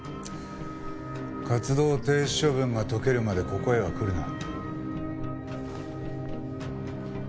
活動停止処分が解けるまでここへは来るな。